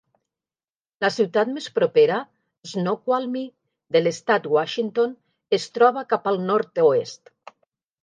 La ciutat més propera, Snoqualmie, de l'estat Washington, es troba cap al nord-oest.